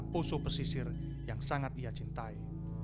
poso pesisir yang sangat ia cintai